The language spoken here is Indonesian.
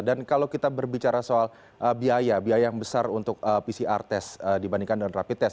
dan kalau kita berbicara soal biaya biaya yang besar untuk pcr tes dibandingkan dengan rapi tes